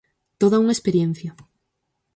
Toda unha experiencia.